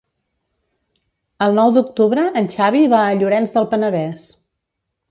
El nou d'octubre en Xavi va a Llorenç del Penedès.